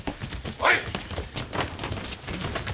おい！